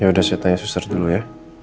ya udah saya tanya suster dulu ya